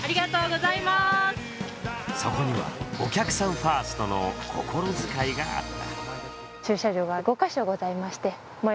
そこにはお客様ファーストの心遣いがあった。